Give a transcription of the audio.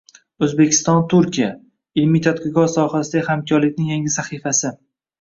O‘zbekiston – Turkiya: ilmiy-tadqiqot sohasidagi hamkorlikning yangi sahifasing